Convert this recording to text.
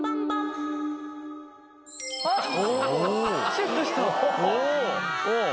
シュッとした。